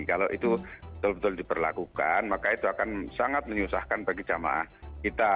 kalau itu betul betul diperlakukan maka itu akan sangat menyusahkan bagi jamaah kita